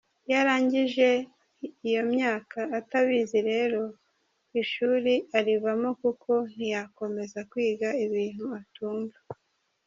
Iyo arangije iyo myaka atabizi rero ishuri arivamo kuko ntiyakomeza kwiga ibintu atumva.